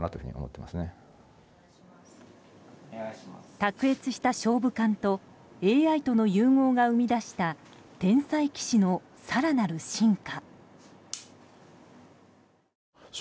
卓越した勝負勘とＡＩとの融合が生み出した天才棋士の更なる進化。